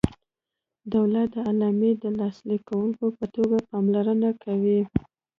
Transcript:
دولت د اعلامیې د لاسلیک کوونکي په توګه پاملرنه کوي.